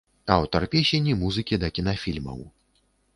Аўтар песень і музыкі да кінафільмаў.